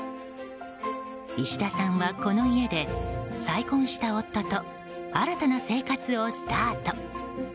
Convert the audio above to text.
石田さんはこの家で再婚した夫と新たな生活をスタート。